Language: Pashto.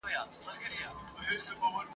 یو پر بل یې جوړه کړې کربلا وه !.